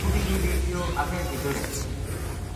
بُڈھی نے دیکھیو اگے گِدڑ ہے